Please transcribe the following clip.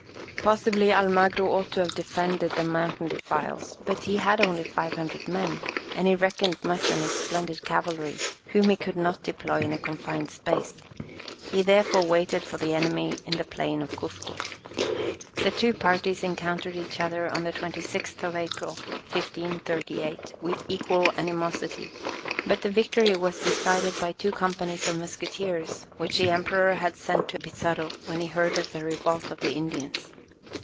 Possibly Almagro ought to have defended the mountain defiles, but he had only 500 men, and he reckoned much on his splendid cavalry, whom he could not deploy in a confined space; he therefore waited for the enemy in the plain of Cuzco. The two parties encountered each other on the 26th of April, 1538, with equal animosity; but the victory was decided by two companies of musketeers which the emperor had sent to Pizarro when he heard of the revolt of the Indians.